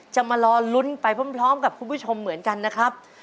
จะมารอลุ้นไปพร้อมกับคุณผู้ชมเหมือนกันนะครับ